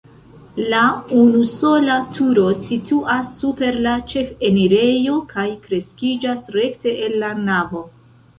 La unusola turo situas super la ĉefenirejo kaj kreskiĝas rekte el la navo.